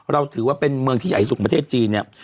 เราถือว่าเป็นเมืองที่ใหญ่สุดประเทศจีนเนี่ย